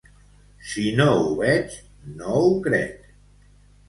Si no ho veig, no ho crec.